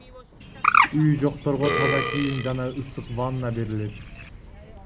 Үйү жокторго таза кийим жана ысык ванна берилет.